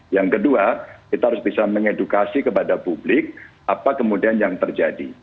yang kedua kita harus bisa mengedukasi kepada publik apa kemudian yang terjadi